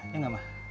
ya engga ma